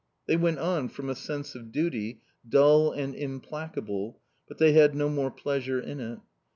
They went on from a sense of duty, dull and implacable, but they had no more pleasure in it.